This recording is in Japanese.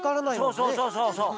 そうそうそうそうそう！